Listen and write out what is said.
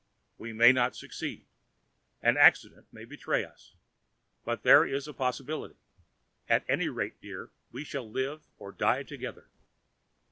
We may not succeed; an accident may betray us, but there is a possibility. At any rate, dear, we shall live or die together."